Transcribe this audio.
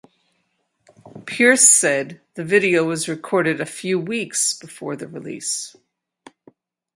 Pearce said the video was recorded "a few weeks" before the release.